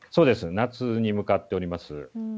夏に向かっております。